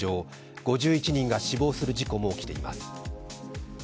５１人が死亡する事故も起きています。